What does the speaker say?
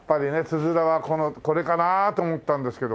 つづらはこれかなと思ったんですけど。